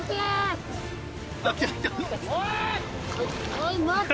おい待て。